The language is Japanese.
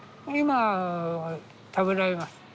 今は食べられます。